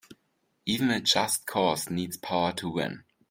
Even a just cause needs power to win.